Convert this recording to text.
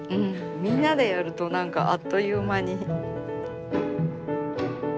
みんなでやると何かあっという間に。